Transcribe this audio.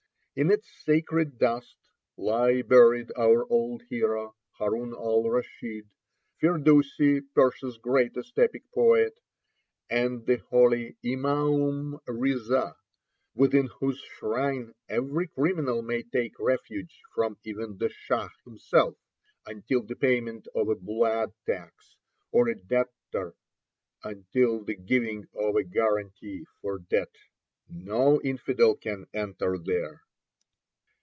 In its sacred dust lie buried our old hero Haroun al Raschid, Firdousi, Persia's greatest epic poet, and the holy Imaum Riza, within whose shrine every criminal may take refuge from even the Shah himself until the payment of a blood tax, or a debtor until the giving of a guarantee for debt. No infidel can enter there.